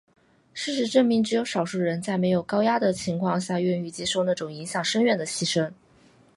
事实证明只有少数人在没有高压的情况下愿意接受那种影响深远的牺牲。